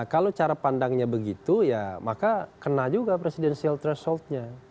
kalau cara pandangnya begitu ya maka kena juga presidensial thresholdnya